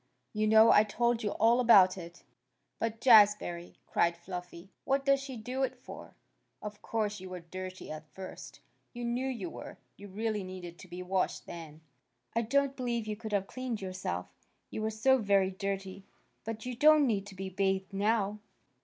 You know. I told you all about it." "But, Jazbury!" cried Fluffy. "What does she do it for? Of course you were dirty at first. You know you were. You really needed to be washed then. I don't believe you could have cleaned yourself, you were so very dirty. But you don't need to be bathed now."